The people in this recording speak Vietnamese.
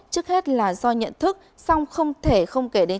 trước hết là do nhận thức xong không thể không kể đến trách nhiệm